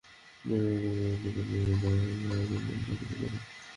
একে ইবরাহীমের নিকট ফিরিয়ে দাও আর হাজেরাকেও এর সাথে দিয়ে দাও।